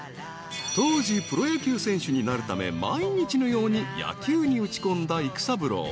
［当時プロ野球選手になるため毎日のように野球に打ち込んだ育三郎］